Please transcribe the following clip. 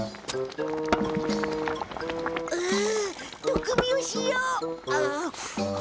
くみをしよう。